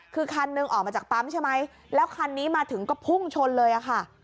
คือคันหนึ่งออกมาจากปั๊มใช่ไหมแล้วคันนี้มาถึงก็พุ่งชนเลยอะค่ะ